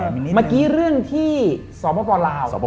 เมื่อกี้เรื่องที่สปลาว